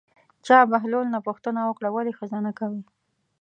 چا بهلول نه پوښتنه وکړه ولې ښځه نه کوې.